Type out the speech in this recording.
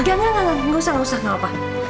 jangan gak usah gak usah gak apa apa